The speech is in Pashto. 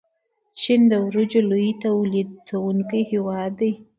چین د وریجو لوی تولیدونکی هیواد دی.